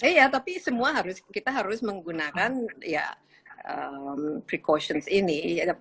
iya tapi semua harus kita harus menggunakan ya pre questions ini